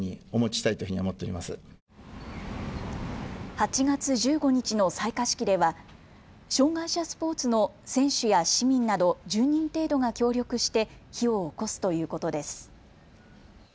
８月１５日の採火式では障害者スポーツの選手や市民など１０人程度が協力して火をおこすということです。